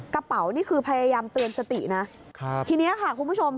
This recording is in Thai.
กระเป๋านี่คือพยายามเตือนสตินะครับทีนี้ค่ะคุณผู้ชม